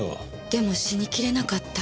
でも死にきれなかった。